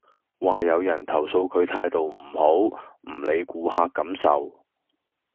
話有人投訴佢態度唔好，唔理顧客感受